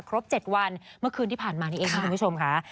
ครบ๗วันเมื่อคืนที่ผ่านมานี่เองนะคุณผู้ชมค่ะ